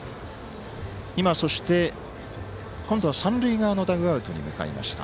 今、そして今度は三塁側のダグアウトに向かいました。